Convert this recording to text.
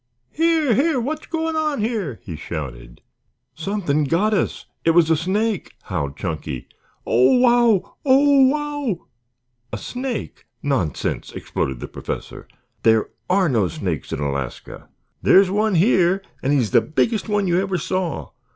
"Here, here, what's going on here?" he shouted. "Something got us. It was a snake," howled Chunky. "Oh, wow; oh, wow!" "A snake? Nonsense!" exploded the Professor. "There are no snakes in Alaska." "There's one here and he's the biggest one you ever saw.